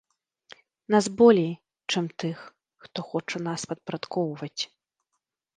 Нас болей чым тых, хто хоча нас падпарадкоўваць.